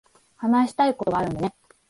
話したいことがあるんでね。